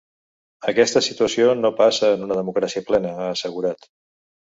Aquesta situació no passa en una democràcia plena, ha assegurat.